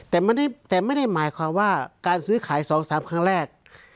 แต่ไม่ได้หมายความว่าการซื้อขาย๒๓ครั้งแรก